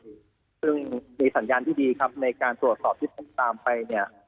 ซึ่งมีสัญญาณที่ดีครับในการตรวจสอบที่ผมตามไปเนี่ย